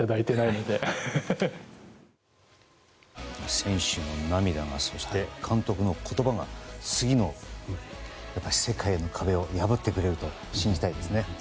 選手の涙がそして、監督の言葉が次の世界への壁を破ってくれると信じたいですね。